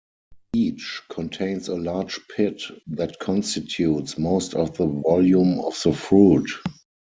Each contains a large pit that constitutes most of the volume of the fruit.